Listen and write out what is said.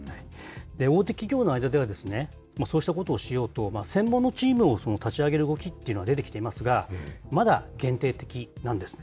大手企業の間では、そうしたことをしようと、専門のチームを立ち上げる動きっていうのが出てきていますが、まだ、限定的なんですね。